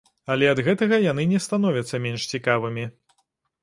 Але ад гэтага яны не становяцца менш цікавымі.